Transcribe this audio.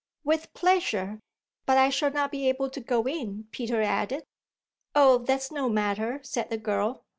"With pleasure. But I shall not be able to go in," Peter added. "Oh that's no matter," said the girl.